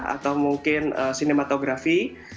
atau mungkin sinematografi